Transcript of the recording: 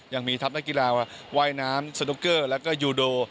ยังมีทัพนักกีฬาว่าว่ายน้ำสโนเกอร์และยูโด